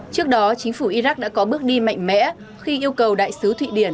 trước đó chính phủ iraq đã có bước đi mạnh mẽ khi yêu cầu đại sứ thụy điển